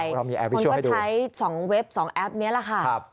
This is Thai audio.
เพราะว่าส่วนใหญ่คนก็ใช้๒เว็บ๒แอปนี้แหละค่ะ